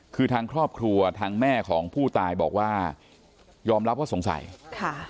คือทางครอบครัวทางแม่ของผู้ตายบอกว่ายอมรับว่าสงสัยค่ะ